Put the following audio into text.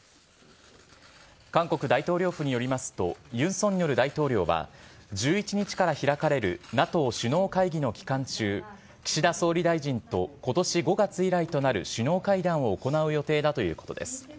韓国大統領府によりますと、ユン・ソンニョル大統領は、１１日から開かれるＮＡＴＯ首脳会議の期間中、岸田総理大臣とことし５月以来となる首脳会談を行う予定だということです。